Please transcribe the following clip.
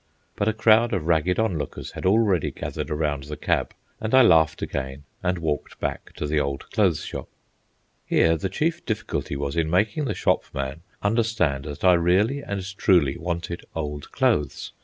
But a crowd of ragged onlookers had already gathered around the cab, and I laughed again and walked back to the old clothes shop. Here the chief difficulty was in making the shopman understand that I really and truly wanted old clothes.